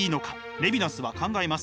レヴィナスは考えます。